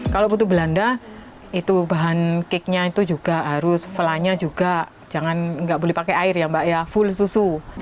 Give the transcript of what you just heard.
kalau putu belanda bahan keknya itu juga harus vlanya juga jangan gak boleh pakai air ya mbak ya full susu